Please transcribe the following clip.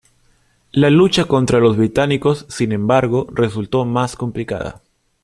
La lucha contra los británicos, sin embargo, resultó más complicada.